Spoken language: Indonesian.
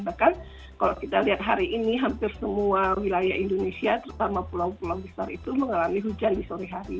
bahkan kalau kita lihat hari ini hampir semua wilayah indonesia terutama pulau pulau besar itu mengalami hujan di sore hari